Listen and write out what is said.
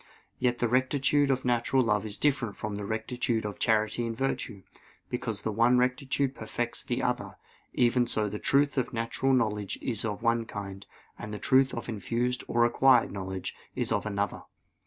Yet the rectitude of natural love is different from the rectitude of charity and virtue: because the one rectitude perfects the other; even so the truth of natural knowledge is of one kind, and the truth of infused or acquired knowledge is of another.